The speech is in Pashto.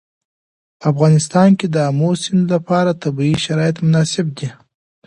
په افغانستان کې د آمو سیند لپاره طبیعي شرایط مناسب دي.